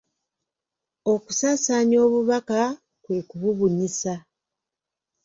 Okusaansaanya obubaka kwe kububunyisa.